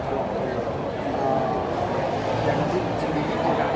ก็อยากจะมีที่มีคุณครับ